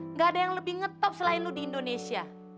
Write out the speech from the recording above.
nggak ada yang lebih ngetop selain lu di indonesia